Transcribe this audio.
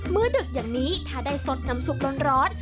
ดึกอย่างนี้ถ้าได้สดน้ำซุปร้อน